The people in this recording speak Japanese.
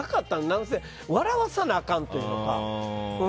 なんせ、笑わさなあかんというか。